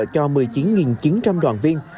cho một mươi chín chín trăm linh đoàn viên